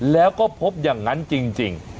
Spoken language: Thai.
แล้วก็พบอย่างนั้นจริง